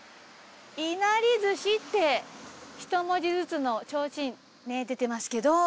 いなり寿司って一文字ずつの提灯出てますけど。